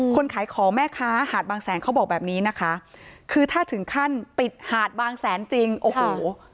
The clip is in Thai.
ขายของแม่ค้าหาดบางแสนเขาบอกแบบนี้นะคะคือถ้าถึงขั้นปิดหาดบางแสนจริงโอ้โห